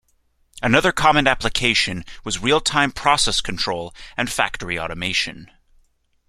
Another common application was real-time process control and factory automation.